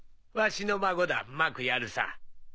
わしの孫だうまくやるさ。